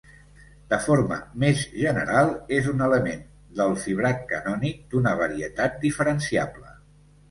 De forma més general, és un element del fibrat canònic d'una varietat diferenciable.